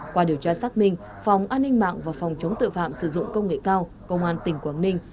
qua điều tra xác minh phòng an ninh mạng và phòng chống tội phạm sử dụng công nghệ cao công an tỉnh quảng ninh